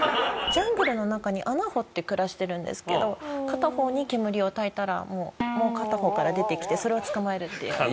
ジャングルの中に穴掘って暮らしてるんですけど片方に煙をたいたらもう片方から出てきてそれを捕まえるっていう。